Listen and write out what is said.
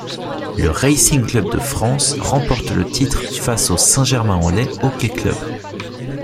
Le Racing club de France remporte le titre face au Saint-Germain-en-Laye Hockey Club.